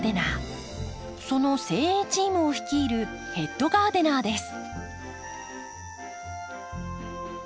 その精鋭チームを率いるヘッドガーデナーです。